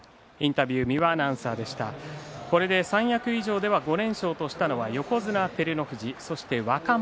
これで三役以上５連勝としたのは横綱照ノ富士若元